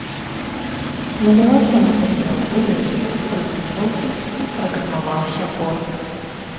Маляваўся матэрыял для яе, прыдумваўся і праграмаваўся код.